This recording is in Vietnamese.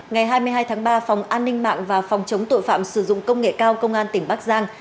ngày hai mươi hai tháng ba phòng an ninh mạng và phòng chống tội phạm sử dụng công nghệ cao công an tỉnh bắc giang